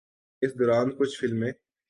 اس دوران کچھ فلمیں